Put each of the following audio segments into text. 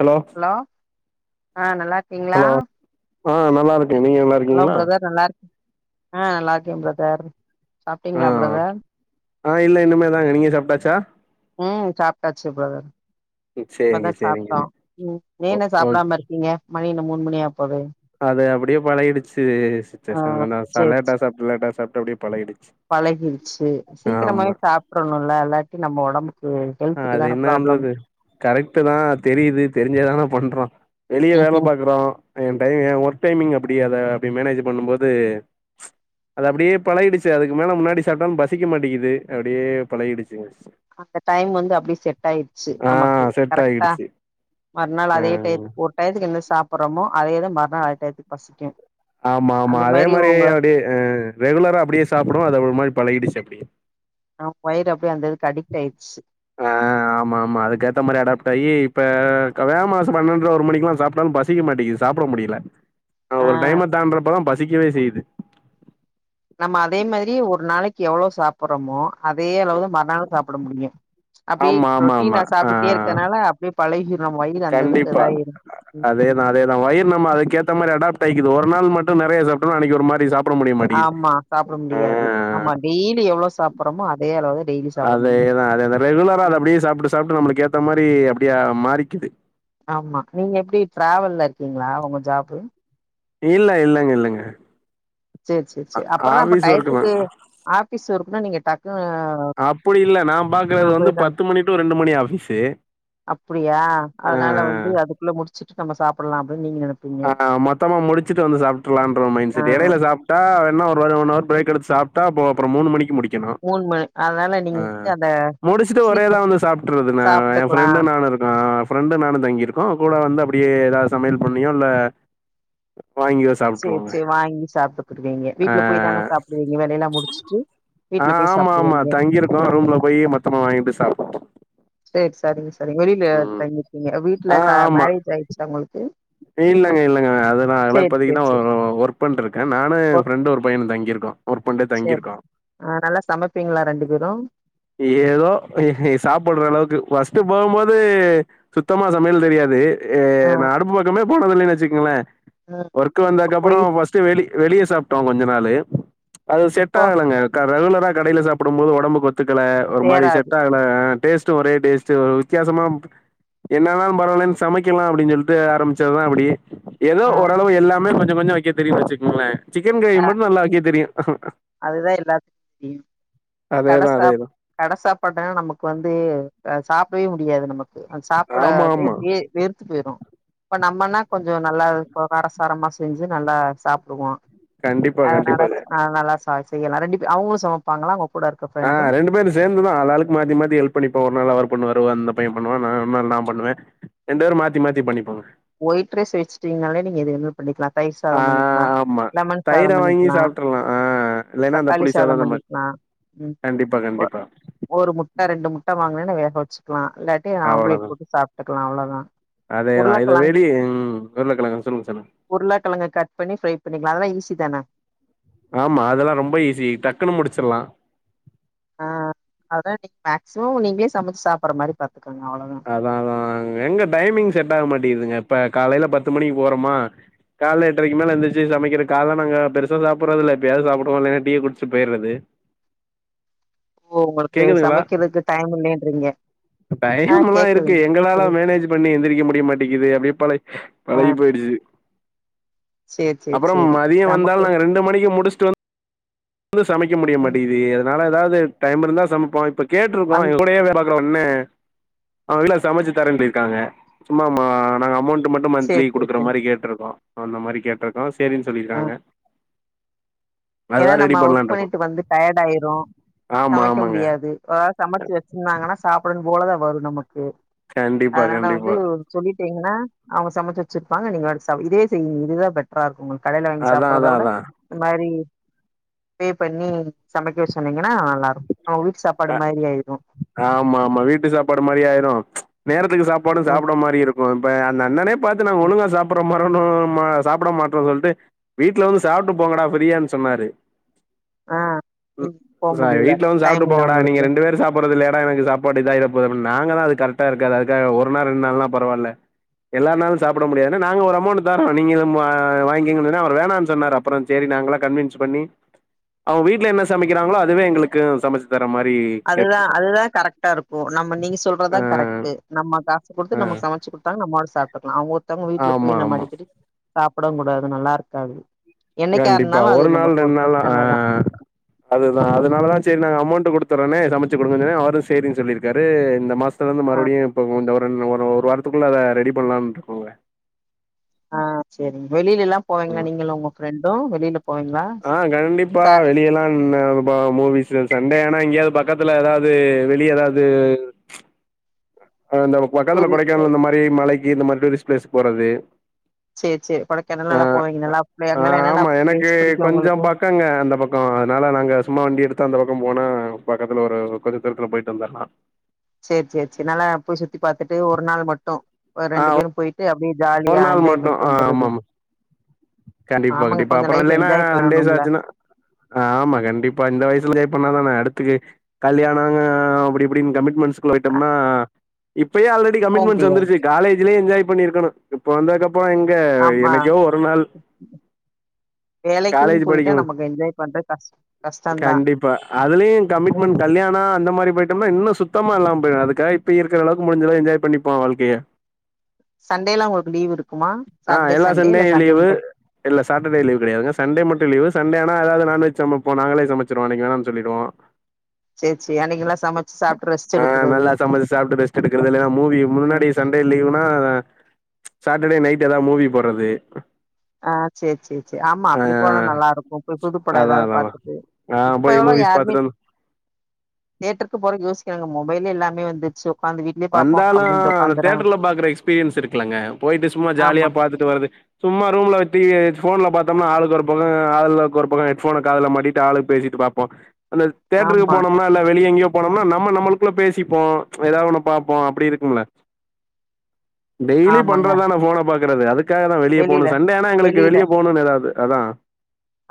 Hello hello ஆ நல்லா இருக்கீங்களா ஹலோ ஆ நல்லா இருக்க நீங்க நல்லா ஹலோ இருக்கீங்களா பிரதர் நல்லா இரு ஆ நல்லா இருக்கே பிரதர் ஆ சாப்டிங்களா பிரதர் ஆ இல்ல இனி மே தாங்க நீங்க சாப்ட்டாச்சா ம் சாப்ட்டாச்சு பிரதர் சேரிங்க இப்பதா சாப்ட்டோ சேரிங்க ம் ஏ ஓ இன்னு ஓகே சாப்டாம இருக்கீங்க மணி என்ன மூணு மணியாபோது அது அப்டியே பழகிடுச்சு ஆ சிஸ்டர் கொஞ்ச லேட்டா சாப்ட்டு லேட்டா சாப்ட்டு அப்டே பழகிடுச்சு பழகிடுச்சு சீக்கிரமாவே ஆமா சாப்ட்றணுல்ல இல்லாட்டி நம்ம ஒடம்புக்கு ஆ ஹெல்த்துக்கு அது தான ப்ராப்ளம் என்னன்றது கரெக்டு தா தெரியுது தெரிஞ்சாதான பண்றோ வெளிய வேல பாக்குறோ [unintelligible] ஒர்க் டைமிங் அப்புடி அத அப்டி மேனேஜ் பண்ணும் போது அது அப்டியே பழகிடுச்சு அதுக்கு மேல முன்னாடி சாப்ட்டாலு பசிக்க மாட்டெங்கிது அப்டியே பழகிடுச்சு அந்த டைம் வந்து அப்டி செட் ஆயிருச்சு ஆ நமக்கு செட் கரெக்டா ஆகிடுச்சு மறுநாள் ஆ அதே டயத்துக்கு ஒரு டயத்துக்கு என்ன சாப்புட்றமோ அதேதா மறுநாள் அதே டயத்துக்கு பசிக்கு ஆமா ஆமா அந்த அதே மாரி உங்க அப்டியே ரெகுலரா அப்டியே சாப்டவு அது ஒரு மாரி பழகிடுச்சு அப்டியே ஆ வயிறு அப்டே அந்த இதுக்கு அடிக்ட் ஆயிர்ச்சு ஆ ஆமா ஆமா அதுக்க ஏத்த மாரி அடாப்ட் ஆகி இப்ப வேமா சாப் பன்னெண்ற ஒரு மணிக்லா சாப்ட்டாலு பசி பசிக்க மாட்டேங்கிது சாப்ட முடியல அ ஒரு ஆ டைம தாண்ட்றப்பதா பசிக்கவே செய்யு நம்ம அதே மாதிரி ஒரு நாளக்கி எவ்ளோ சாப்பட்றோமோ அதே அளவு தா மறுநாளு சாப்ட முடியு அப்டியே ஆமா, ஆமா, ஆமா. ரொட்டினா ஆ சாப்டுட்டே இருக்கனால அப்டியே பழகிடு வயிறு அந்ததுக்கு இதாயிரு அதேதா அதேதா வயிறு நம்ம அக்கேத்த மாரி அடாப்ட் ஆய்க்குது ஒரு நாள் மட்டு நெறய சாப்ட்டோனா அன்னக்கி ஒரு மாரி சாப் ஆமா சாப்ட முடியாது ஆமா டெய்லி எவ்ளோ சாப்புட்றோமோ அதே அளவு த டெய்லி சாப்பிட முடியும். அதேதா அதேத ரெகுலரா அத ம். அப்டியே சாப்புட்டு சாப்ட்டு நம்மளுக்கு ஏத்த மாரி அப்டியே மாறிக்கிது ஆமா நீங்க எப்டி டிராவல்ல இருக்கீங்களா உங்க ஜாப்பு இல்ல இல்லெங்க இல்லெங்க சேர் சேர் சேர் அப்பறன்னா அப்றொ ஒர்க் தான். டயத்துக்கு ஆஃபீஸ் இருக்குன்னா நீங்க டக்னு அப்புடி இல்ல நா பாக்குறது வந்து பத்து மணி டு ரெண்டு மணி ஆஃபீஸு அப்புடியா ஆ அதுனால வ குள்ள முடுச்சுட்டு நம்ம சாப்புட்லா அப்டின் நீங்க நெனப் ஆ மொத்தமா முடுச்சட்டு வந்து சாப்ட்றலான்ற மைண்ட் ஆ செட்டு எடைல சா [unintelligible] வேனா ஒரு ஒன் அவர் பிரேக் எடுத்து சாப்ட்டா அப்பறொ மூனு மணிக்கு முடி க்கனு மணி அதனால நீங்க அ வந்து அந்த முடிச்சுட்டு சீக்கிர ஒரேதா வந்து சாப்ட்றது நா எ சாப்ட்டுக்கலா ஃப்ரெண்டு நானு இருக் ஆ ஃப்ரெண்டு நானு தங்கிருக்கோ கூட வந்து அப்டியே எதாது சமையல் பண்ணியு இல்ல வாங்கியு ச சேரி சேரி வாங்கி சாப்ட்டுகிருவீங்க ஆ வீட்ல போய் தான சாப்டுவீங்க வேலைய லா முடுச்சுட்டு அ ஆமா ஆமா தங்கிருக்கோ ரூம்ல போய் மொத்தமா வாங்கிட்டு சாப்புட்டு சேர் சரிங்க சரிங்க வெளில தங்கிருக்கீங்க வீட்டுல ஆ க ஆமா மேரேஜ் ஆயிருச்சா உங்களுக்கு இல்லங்க இல்லங்க அதுலா ஆகல சேரி இப்பதிக் சேரி கிதா சேரி ஒர்க் பண்ட்ருக்கே நானு எ ஒர்க் ஃப்ரெண்டு ஒரு பையனு தங்கிருக்கோ ஒர்க் பண்ட்டே தங்கிருக்கோ அ நல்லா சமப்பிங்ளா ரெண்டு பேரு ஏதோ சாப்புட்ற அளவுக்கு ஃபஸ்ட்டு போம்போது சுத்தமா சமையல் தெரியாது எ ஆ நா அடுப்பு பக்கமே போனதில்லைன் வச்சுக்குங்ளே ஆ ஒர்க் இப்ப வந்தக்க அப்பறொ போய் ஃபஸ்ட் டு வெளி வெளிய சாப்ட்டோ கொஞ்ச நாளு அது செட் இப்போ ஆகலங்க க ரெகுலரா கடைல சாப்புடும் போது ஒடம்புக்கு ஒத்துக்கல ஒரு மாரி சேராது செட் ஆக ல டேஸ்ட்டு ஒரே டேஸ்ட்டு ஒரு வித்யாசமா என்னானாலு பரவாலென் சமைக்கலா அப்டின் சொல்ட்டு ஆரம்பிச் சதுதா அப்புடி எதோ ஆ ஓரளவு எல்லாமே கொஞ்சொ கொஞ்சோ வக்கெ தெரியுன் வச்சுக்கோங்ளே சிக்கன் ஆ க்ரேவி மட்டு நல்லா வக்கெ தெரியு அதுதா எல்லாத்துக்கு தெரியு கட அதேதா சா அதேதா கட சாப்பாட்ன்னா நமக்கு வந்து அ சாப்டவே முடியாது நமக் அத ஆமா சாப்டதே ஆமா வே வெறுத்து போய்ரு இப்ப நம்மனா கொஞ்சொ நல்லா காரசாரமா செஞ்சு நல்லா சாப்டுவோ கண்டிப்பா அது கண்டிப்பாங்க நடக் நல்லா சாட்சி செய்யலா ரெண்டு பே அவுங்களு சமப்பாங்களா அவுங் ஆ ரெண்டு பேரு சேந்துதா ஆளாளாக்கு மாத்தி மாத்தி ஹெல்ப் பண்ணிபோ ஒரு நாள் அவரு பண்ணுவாரு அந்த பையே பண்ணுவா நா நம்மாள் நா பண்ணுவே ரெண்டேரு மாத்தி மாத்தி பண்ணிப்போங்க ஒய்ட் ரைஸ் வச்சுட்டீங்னாலே நீங்க எது என்னும் பண்ணிக்கலா தயிர் சாதோ ஆ பண்ணிக்கலா ஆமா லெமன் தயிர சாதம் வாங்கி பண்ணிக்கலா சாப்ட்றலா ஆ இல்லைன்னா அந்த தக்காளி புளிசாதோ சாதம் அந்த மாரி பண்ணிக்கலா ம் கண்டிப்பா போ கண்டிப்பா ஒரு முட்ட ரெண்டு முட்ட வாங்கேனேன்னா வேக வச்சுக்கலா இல்லாட்டி ஆம்லேட் அவ்வளதா போட்டு சாப்ட்டுக்கலா அவ்ளோதா அதேதா இத உருளக்கெழங் வெளியு உருளைக்கெழங்கு சொல்லுங்க சொல்லுங்க உருளக்கிழங்கு கட் பண்ணி ஃப்ரை பண்ணிக்கலா அதெல்லா ஈசி தான ஆமா அதெல்லா ரொம்ப ஈஸி டக்குன்னு முடிச்சிட்லா ஆ அததா நீ மேக்சிமம் நீங்களே சமச்சு சாப்டுற மாதிரி பாத்துக்கோங்க அவ்ளோதா அத்னாலதா எங்க டைமிங் செட் ஆக மாட்டிங்துங்க இப்ப காலைல பத்து மணிக்கு போறோமா கால எட்டரக்கி மேல எந்துருச்சு சமக்கிறது கால்ல நாங்க பெருசா சாப்படுறது இல்ல எப்பயாவது சாப்படுவோம் இல்லன்னா டீய குடிச் சு போய்ர்றது ஓ உங்களுக்கு கேக்குதுங்களா சமக்கிறதுக்கு டைம் இல்லைன்றீங்க அ அப்பல்லா இருக்கு எங்களால மேனேஜ் பண்ணி எந்திரிக்க முடிய மாட்டேங்கீது அப்டி பழ ஆ பழயி போ போயிடுச்சு சேரி சேரி அப்றம் சேரி மதியோ நமக்கு வந்தாலு நாங்க ரெண்டு மணிக்கு முடிச்ட்டு வந் எதும் சமக்க முடிய ம் மாட்டேங்கிது அத்னால எதாவ்து டைம் இருந்தா சமப்போ இப்ப கேட்டுருக்கோ அந் எங்க கூடயே வேல பாக்குற அண்ணே ஆ வீட்ல சமச்சு தரேன் சொல்லிற்க்காங்க சும்மா மா நாங்க அமௌண்ட்டு மட்டு மந்த்லி சேரி சேரி குடுக்குற சேரி மாரி கேட்ருக்கோ அந்த மாதிரி கேட்ருக்கோ சேரின்னு ஆ சொல்லிர்க்காங்க ஏன்னா நம்ம ஒர்க் பண்ணிட்டு வந்து டயர்ட் ஆயிர்ரோ ஆமா சமக்க ஆமாங்க முடியாது ஒர் ஆள் சமச்சு வச் சாப்பிடன்னு போலதா வரு நமக்கு கண்டிப்பா அத்னால வந்து கண்டிப்பா சொல்லிட்டீங்கன்னா அவங்க சமச்சு வச்ருப்பாங்க நீங்க இதுவே செய்ங்க இதுதா பெட் இருக்கும் கடையில வாங்கி அதா சாப்பிடுறதை அதா விட அதா இந்த மாதிரி பே பண்ணி சமக்க சொன்னீங்கன்னா நல்லாருக்கு அவுங்க வீட்டு சாப்பாடு அ மாதிரி ஆயிடு ஆமா ஆமா வீட்டு சாப்பாடு மாதிரி ஆயிரு நேரத்துக்கு சாப்பாடு ம் சாப்பிட்ற மாரி இருக்கு இப்ப அந்த அண்ணனே பாத்து நாங்க ம் ஒழுங்க சாப்படுற மாதிரி சாப்பிட மாட்டோம்னு சொல்லிட்டு வீட்டுல வந்து சாப்பிட்டு போங்கடா ஃபிரியானு சொன்னாரு ஆ நீ எப்ட்றா வீட்ல வந்து சாபட்டு போங்கடா நீ ரெண்டு பேரு சாப்ட்டு போறதில்லையாடா எனக்கு சாப்பாடு இதாயிட போது அப்டின் நாங்க தா அது கரெக்டா இருக்காது அதுக்காக ஒரு நாள் ரெண்டு நாள்லா பரவால்ல எல்லார் னாலு சாப்ட முடியாதுன்னு நாங்க ஒரு அமௌண்ட் தர்றோ நீங்க இத்தல மா வாங்கிங்கங்கன்னா சொன்னே அவர் வேணான்னு சொன்னார் அப்றோ சரி நாங்கள்லா கன்வின்ஸ் பண்ணி அவங்க வீட்டுல என்ன சமக்கிறாங்களோ அதுவே எங்களுக்கு சமச்சு தர்ற மாரி அதுதா கேட்ருக்கோ அதுதா கரெக்ட்டாருக்கும் நம்ம நீங்க ஆ சொல்றதா கரெக்ட் நம்ம காசு ஆ குடுத்து நம்ம சமச்சு குடுத் குட் தாங் நம்ம பாட்டு சாப்ட்டுக்கலா அவுங்க ஒர்த்தங்க வீட்டுல ஆமா போய் நம்ம ஆமா அடிக்கடி சாப்டவு கூடாது நல்லாருக்காது கண்டிப்பா ஒரு நாள் ரெண்டு நாள் ஆ அதுதா அதனாலதா சரி நாங்க அமௌண்ட் குடுத் தர்றன்னே சமச்சுக் குடுங்கன்னு சொன்னே அவரு சேரினு சொல்லிருக்காரு இந்த மாசத்தலந்து இருந்து ஆ மறுபடியு இப்ப ஒன்த்த ஒரு ரெண் ஒரு வாரோ அதுக்குள்ள அத ரெடி பண்ணலாம்னு இருக்கோங்க ஆ சேரிங்க வெளில எல்லா போவீங்களா ம் நீங்களு உங்க ஃப்ரெண்டு வெளில போவீங்களா ச ஆ கண்டிப்பா வெளியலா நின்னு ப்ப மூவிஸ் சண்டே ஆனா இங்கேயாவது பக்கத்துல ஏதாவது வெளிய ஏதாவ்து அ இந்த பக்கத்துல டூரு கொடைக்கானல் இந்த மாரி மலக்கி இந்த மாதிரி டூரிஸ்ட் ப்ளேஸ் போறது செர் செரி கொடைக்கானல் ஆ நல்லா போவீங்களா அங்கல்லா என்னென்னா பிளேஸ் புடிக்கு உங்களுக்கு இருக்காங்க அந்த பக் கோ அதனால நாங்க சும்மா வண்டி எடுத்து அந்த பக்கோ போனா பக்கத்துல ஒரு கொஞ்ச தூரத்துல போய்ட்டு வந்துருலா சேர் சேர் சேரி நல்லா போய் சுத்தி பாத்துட்டு ஒரு நாள் மட்டு ஆ ரெண்டு பேரு போயி ட்டு அப்டியே ஒரு ஜாலியா நாள் என்ஜாய் மட்டும். பண்ட்டு ஆ வந்துறது ஆமாமா. கண்டிப்பா ஆமாங்க கண்டிப்பா கொஞ்ச அப்றோ லைஃப் இல்லைன்னா என்ஜாய் சண்டேஸ் பண்ணணும்ல ஆச்சுனா ஆமா கண்டிப்பா இந்த வயசுல என்ஜாய் பண்ணாதான அடுத்து கல்யாணோங்க அப்டி இப்டின்னு கமிட்மெண்ஸ்ட்குள் போயிட்டோம்னா இப்பயே ஆல் ரெடி போ கமிட்மெண்ட்ஸ் முடியாது வந்துருச்சு காலேஜ்லயே என்ஜாய் பண்ணிருக்கணு இப்ப வந்ததுக்கப்றோ எங்க ஆமா என்னைக்கோ ஒரு நாள் வேலைக்கு காலேஜ் போயிட்டா படிக்கும் நமக்கு என்ஜாய் பண்றது கஷ் கஷ்டதா கண்டிப்பா அதுலயு கமிட்மெண்ட் கல்யாணோ அந்த மாரி போய்ட் டோம்னா இன்னு சுத்தமா இல்லாம போய்டு அதுக்காக இப்ப இருக்கிறளவுக்கு முடிஞ்சளவு என்ஜாய் பண்ணிப்போ வாழ்கைய சண்டேல்லா உங்ளுக்கு லீவ் இருக்குமா ஆ சாட்டர்டே எல்லா சண்டே இல்ல சண்டேயு சண்டே லீவு முட்டு இல்ல சாட்டடே லீவ் கெடையாதுங்க சண்டே மட்டு லீவு சண்டேயானா எதாவது நான்வெஜ் சமப்போ நாங்களே சமச்சிருவோ அன்னைக்கு வேணான் சொல்லிடுவோ சேர் சேரி அன்னைக்கெல்லா சமச்சு சாப்பிட்டு ரெஸ்ட் எடுக்றது சமச்சு சாப்ட்டு ரெஸ் ட் எடுக்றது இல்லைன்னா மூவி ம் முன்னாடி சண்டே லீவுன்னா சாட்டர்டே நைட்டு எதா மூவி போறது ஆ சேர் சேர் சேரி ஆமா ஆ அப்டி போனா நல்லா இருக்கு போய் புதுப்படோ அதா ஏதாவது அதா அதா பாத்துட்டு ஆ இப்ப போய் எவ்ளோ மூவிஸ் யாருமே பாத்துட்டு வந்து தேட்ருக்கு போறதுக் யோசிக்றாங்க மொபைல்லே எல்லாமே வந்துருச்சு உக்காந்து வீட்லயே பாப்போ வந்தாலு அப்டின்ட்டு அந்த உக்காந்துறாங்க தேட்டர்ல பாக்குற எக்ஸ்பீரியன்ஸ் இருக்குலங்க போய்ட்டு சும்மா ஜாலியா ஆமா பாத்துட்டு வரது சும்மா ரூம்ல டிவி ஃபோன்ல பாத்தோம்னா ஆளுக்கொரு பக்கோ ஆளுலக் ஒருப்பக்கோ ஹெட்ஃபோன காதுல மாட்டிட்டு ஆளுக்கு பேசிட்டு பாப் போ அந்த தேட்ருக்கு ஆமா போனோம்னா இல்ல வெளிய எங்கேயோ போனோம்னா நம்ம நம்மளுக்குள்ள பேசிப்போ ஏதா ஒன்ன பாப்போ அப்டி இருக்கும்ல டெய்லி ஆமாங்க பண்றதுதான ஃபோன பாக்றது அதுக் காக தா வெளிய வெளில போணு சண்டேயானா எங்களுக்கு வெளில வெளியே போனுன் ஏதாவுது அதா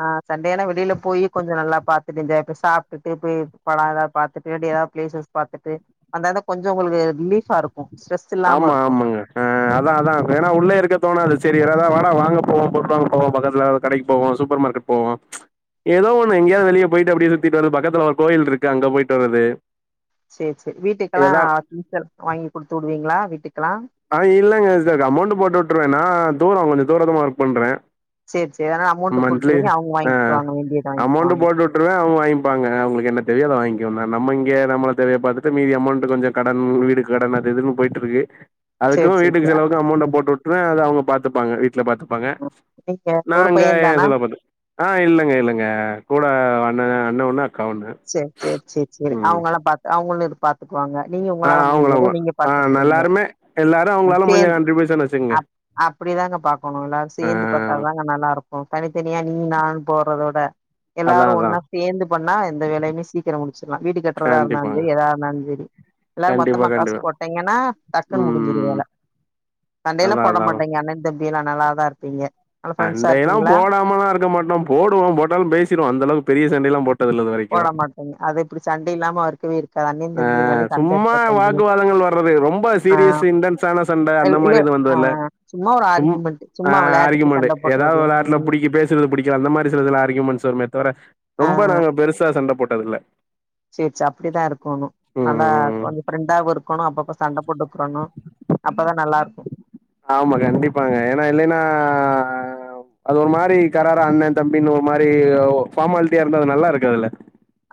ஆ சண்டேயானா வெளில போய் கொஞ்சோ நல்லா பாத்துட்டு என்ஜாய் இப்ப சாப்ட்டுட்டு போய் படோ ஏதாவ பாத்துட்டு அப்டியே எதாவ பிளேசஸ் பாத்துட்டு அந்தாத கொஞ்சோ ஒங்களுக்கு ரிலீஃபா இருக் கு ஸ்ட்ரெஸ் இல் ஆமா ஆமாங்க அ அதா அதா ஏன்னா உள்ளயே இருக்க தோணாது செரி எதாத வாடா வாங்க போவோ பொருள் வாங்க போவோ பக்கத்துல கடைக்கு போவோ சூப்பர்மார்கெட் போவோ ஏதோ ஒன்னு எங்கேயாது வெளிய போய்ட்டு அப்டியே சுத்திட் வரது பக்கத்துல ஒரு கோயில்டுருக்கு அங்க போய்ட்டு வரது சேர் சேரி வீட்டுக்குலா திங்ஸ் வாங்கி குடுத்து வுடுவீங்ளா வீட்டுக்குலா ஆ இல்லைங்க சிஸ்டர் அமௌண்ட்டு போட்டு வுட்டுருவே நா தூரோ கொஞ்சோ தூரதமா ஒர்க் பண்றே சேர் சேரி ஆனா அமௌண்ட் மந்த்லி குடுத்துருவீங்க அவுங்க வாய்ன்க்வாங்க வேண்டியத வாய்ன்கிருவாங்க அப்டிதா அவுங்க வாங்கிப்பாங்க அவுங்ளுக்கு என்ன தேவயோ அத வாய்ன்க்கு நம்ம இங்கே நம்ம தேவய பாத்துட்டு மீதி அமௌண்ட்டு கொஞ்ச கடன் வீடு கடன் அது இதுன்னு போய்ட்டுருக்கு அதுக்கு சேரி சேரி வீட்டுக்கு சேரி செலவுக்கு அமௌண்ட்ட ம் போட்டு வுட்ருவே அது அவுங்க பாத்துப்பாங்க வீட்ல பாத்துப்பாங்க ம் நீங்க நா ஒரு இங்க ஏ பையன்தானா செலவ பாத்து ஆ இல்லங்க இல்லங்க கூட அண்ண அண்ண ஒன்னு அக்கா ஒன்னு சேர் சேர் சேர் சேரி அவுங்கல்லா பாத் அவுங்களு இது பாத் துக்குவாங்க நீங்க ஆ ஒங்களால அவங்கள முடிஞ்சத அவங்க நீங்க ஆ பாத்துக்கிறீங்க எல்லாருமே எல்லாரு அவங்களால முடிஞ்ச சேந்து கான்ட்ரிபியூஷன் வச்சுக்கங்க அப் அப்டிதாங்க பாக்கோணு எல்லாரு ஆ சேந்து பாத் தா தாங்க நல்லாருக்கு தனித்தனியா நீ நான் போறதோட அதா எல்லாரு அதா ஒன்னா சேந்து பண்ணா எந்த வேலையுமே சீக்கிரோ முடிச்சிர்லா வீடு கட்டுறதாருந்தாலு கண்டிப்பாங்க சேரி எதாருந்தாலு சேரி எல்லாரு கண்டிப்பா மொத்தமா காசு கண்டிப்பா போட்டீங்கன்னா டக்குனு முடிஞ்சுரு ம் வேல சண்டைலா அதா போட அதா அதா மாட்டிங் எ அண்ணே தம்பி எல்லா நல்லாதா இருப்பீங்க நல்லா ஃப்ரெண்ட்ஸா சண்டையலா இருப்பீங்களா போடாமலாருக்க மாட்டோ போடுவோ போட்டாலு பேசிருவோ அந்தளவுக்கு பெரிய சண்டைலா போ போட மாட்டீங்க அது எப்டி சண்டை இல்லாமாவ இருக்கு வீடு ஆ சும்மா வாக்குவாதங்கள் வர்றது ரொம்ப ஆ சீரியஸ் இண்டன்ஸ்ஸான சண்ட அந்த இல் இல்ல மாரி எது ஆ வந்தல்ல சும்மா ஒரு சும் ஆர்கியுமெண்ட் ஆ சும்மா விளையாட்டுக்கு ஆர்கிமெண்ட்டு சண்ட எதாவ்து போடுறது வெளாட்ல ம் புடிக்கி பே சுறது புடிக்ல அந்த மாரி சிலதுல ஆர்கிமெண்ட்ஸ் வருமே தவர ஆ ரொம்ப நாங்க பெருசா சண்ட போட்டதில்ல சேர் சே அப்டித்தா இருக்கோனு நல்லா ம் கொஞ்சொ ஃப்ரெண்டாவு இருக்கோனு அப்பப்ப சண்ட போட்டுக்கிறனு அப்பதா நல்லாருக்கு ஆமா கண்டிப்பாங்க ஏனா இல்லைனா அது ஒரு மாரி கராரா அண்ணே தம்பின் ஒரு மாரி ஃபார்மால்ட்டியாருந்த அது நல்லாருக்குதுல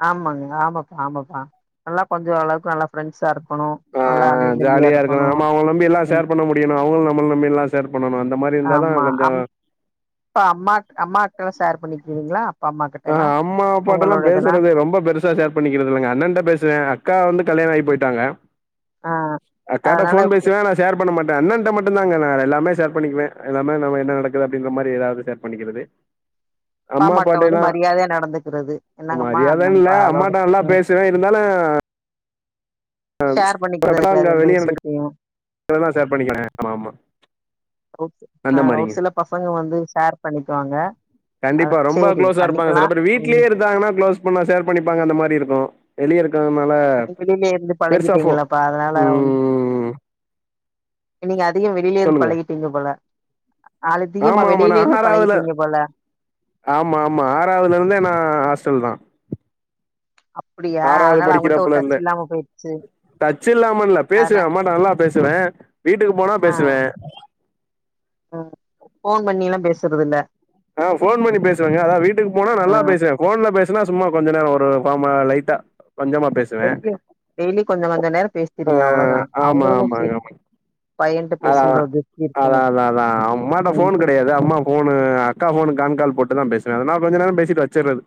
ஆமாங்க ஆமாப்பா ஆமாப்பா நல்லா கொஞ்சொ ஓளவுக்கு நல்லா ஃப்ரெண்ட்ஸாரு க்கொனு ஆ நல்லா அண்ணே தம்பியாருக்கொனு ஏனா அவங்களு நம்மள நம்பி எல்லா ஷேர் பண்ணணு அந்த மாரிருந்த தா கொஞ்சொ ப்ப அம்மா அம்மாட்லா ஷேர் பண்ணிக்கிவீங்ளா ஆ அம்மா அப்பாட்டலா பேசுறதே ரொம்ப பெரு சா ஷேர் பண்ணிக்கிறது இல்லங்க எங்கண்ணன்ட்ட பேசுவே அக்கா வந்து கல்யாணோ ஆயி போய்ட்டாங்க ஆ அக்காட்ட அதனால ஃபோன் இவங்க பேசுவே ஆனா ஷேர் பண்ணமாட்டே அண்ணன்ட்ட மட்டுந்தாங்க நா எல்லாமே ஷேர் பண்ணிக்குவே எல்லாமே நம்ம என்ன நடக்குது அப்டிங்ற மாரி எதாவ்து ஷேர் பண்ணிக்கிறது [inaudible] அம்மா வந்து அப்பாட்டைலா மரியாதையா நடந்துக்கிறது என்னங்கம்மா என்னங்ப்பா அதோட ம் ச்சன இருந்தாலு ஷேர் பண்ணிக்கிறது அங்க கெடயாது எந்த வெளிய நடக்க விஷ்யத்தையு இதெல்லா ஷேர் பண்ணிக்கிறேன் ஆமா ஆமா ஒரு சி ஆ அந்த ஒரு மாரிங்க சில பசங்க வந்து ஷேர் பண்ணிக்குவாங்க அ கண்டிப்பா ரொம்ப சேரி க்ளோஸாருப்பாங்க பண்ணிக்கலா சில பேரு ம் வீட்லே இருந்தாங்கன்னா க்ளோஸ் பண்ணா ஷேர் பண்ணிப்பாங்க அந்தமாரி இருக்கு வெளியரு க்கனால நீங்க வெளியில இருந்து பெருசா ஃபோ பழகிட்டீங்களாப்பா அதனால உம் நீங்க அதிகோ வெளிலேந்து சொல்லுங்க பழகிட்டீங்க போல அதிகமா ஆமா வெளிலேர்ந்து பழகிட்டீங்க போல ஆமாமா ஆறாவ்துலருந்தே நா ஹாஸ்டல் தா அப்பிடியா ஆறாவது அதனால அவுங்கள்ட்ட ஒரு படிக்கிறப்பல டச் இருந்தே இல்லாம போய்ருச்சு டச் இல்லாமல்ல பேசுவே அம்மாட்ட நல்லா பேசுவே வீட்டுக்கு போனா ஆ பேசுவே ம் ஃபோன் பண்ணில்லா பேசுறதுல்ல ஆ ஃபோன் பண்ணி பேசுவேங்க அதா வீட்டுக்கு போனா ஆ நல்லா பேசுவே ஃபோன்ல பேசுனா சும்மா கொஞ்ச நேரோ ஒரு ஃபாமா லைட்டா கொஞ்சமா பேசு டெய்லியு டெய்லி கொஞ்ச கொஞ்ச நேரோ ஆ பேசிருங்க அவ்ளதா அவுங்களுக்கு சேரி அதாதா அதா அதா அதா அம்மாட்ட ம் ஃபோன் கெடயாது அம்மா ஃபோனு அக்கா ஃபோனுக்கு கான் கால் போட்டுதா பேசுவே அதனால கொஞ்ச நேரோ பேசிட்டு வச்சுறது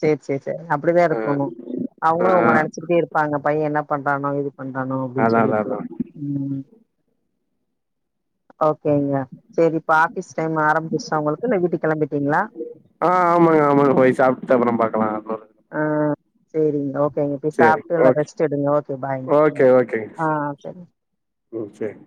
சேர் சேர் சேர் அப்டிதாருக்கொனு ஆ அவுங்களு உங்கள நெனச்சுகிட்டே இருப்பாங்க பையே என்ன பண்றானோ ஏது பண்றானோ அப்டின் அதா அதா சொல்லிட்டு அதா ம் ஓகேங்ளா செரி இப்ப ஆஃபீஸ் டைம் ஆரம்பிச்சுருச்சா ஒங்களுக்கு இல்ல வீட்டுக் கெளம்பிட்டீங்ளா ஆ ஆமாங்க ஆமாங்க போய் சாப்ட்டு அப்றோ பாக்லா [inaudible] ஆ சேரிங்க ஓ கேங்க போய் சேரி சாப்ட்டு நல்லா ஓகே ரெஸ்ட்டெடுங்க ஓகே பாய் ஓகே ம் ஓகேங்க ஆ ஆ செரி ம் சேர்